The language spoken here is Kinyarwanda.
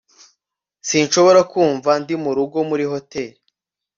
sinshobora kumva ndi murugo muri hoteri